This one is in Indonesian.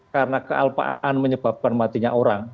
karena kealpaan menyebabkan matinya orang